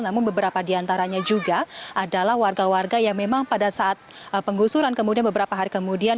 namun beberapa di antaranya juga adalah warga warga yang memang pada saat penggusuran kemudian beberapa hari kemudian